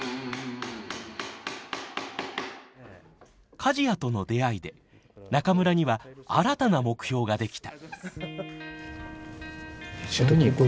梶屋との出会いで中村には新たな目標が出来た。